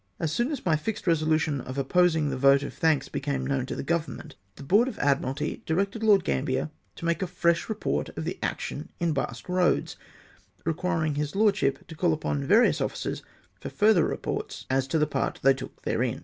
As soon as my fixed resolution of opposing the vote of thanks became known to the Government, the Board of Admiralty directed Lord Gambler to make a fresh report of the action in Basque Eoadst requiring his lordship to call upon various officers for fLuther re ports as to the part they took therein